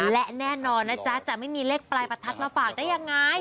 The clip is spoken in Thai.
และแน่นอนนะจ๊ะจะไม่มีเลขปลายประทัดมาฝากได้ยังไง